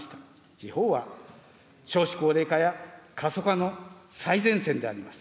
地方は少子高齢化や過疎化の最前線であります。